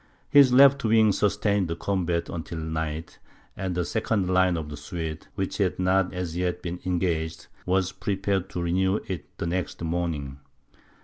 His left wing sustained the combat until night, and the second line of the Swedes, which had not as yet been engaged, was prepared to renew it the next morning.